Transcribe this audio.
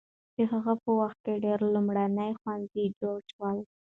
د هغه په وخت کې ډېر لومړني ښوونځي جوړ شول.